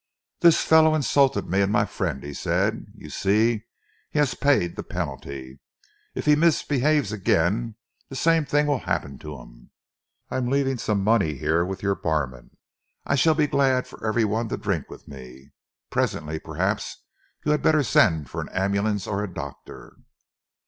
"This fellow insulted me and my friend," he said. "You see, he has paid the penalty. If he misbehaves again, the same thing will happen to him. I am leaving some money here with your barman. I shall be glad for every one to drink with me. Presently, perhaps, you had better send for an ambulance or a doctor."